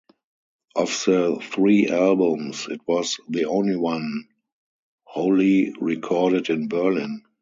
Of the three albums, it was the only one wholly recorded in Berlin.